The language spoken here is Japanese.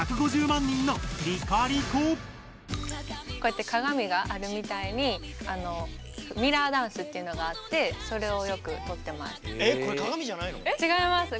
こうやって鏡があるみたいにミラーダンスっていうのがあってそれをよく撮ってます。